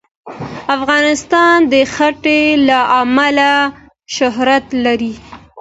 افغانستان د ښتې له امله شهرت لري.